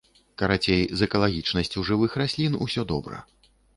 Карацей, з экалагічнасцю жывых раслін усё добра.